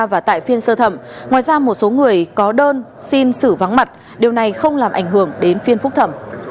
và tại phiên sơ thẩm ngoài ra một số người có đơn xin xử vắng mặt điều này không làm ảnh hưởng đến phiên phúc thẩm